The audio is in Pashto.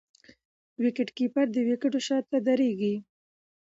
وکيټ کیپر د وکيټو شاته درېږي.